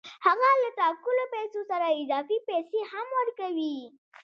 هغه له ټاکلو پیسو سره اضافي پیسې هم ورکوي